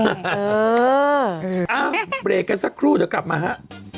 อ่ะเบรกกันสักครู่เดี๋ยวกลับมาฮะ